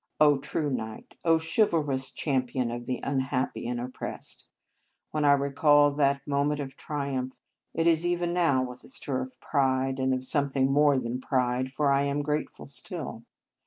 Oh, true knight! Oh, chivalrous champion of the unhappy and oppressed ! When I recall that moment of triumph, it is even now with a stir of pride, and of something more than pride, for I am grateful still.